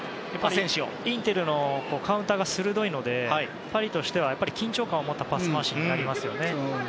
インテルのカウンターが鋭いのでパリとしては緊張感を持ったパス回しになりますね。